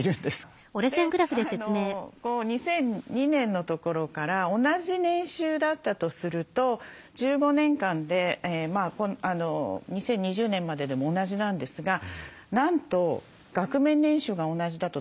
で２００２年のところから同じ年収だったとすると１５年間で２０２０年まででも同じなんですがなんと額面年収が同じだと